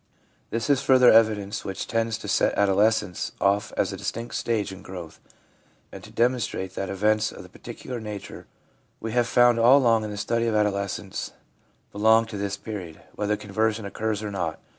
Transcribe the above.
This is further evidence which tends to set adoles cence off as a distinct stage in growth, and to demon strate that events of the particular nature we have found all along in the study of adolescence belong to this period, whether conversion occurs or not.